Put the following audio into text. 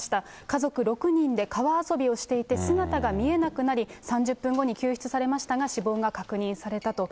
家族６人で川遊びをしていて、姿が見えなくなり、３０分後に救出されましたが、死亡が確認されたと。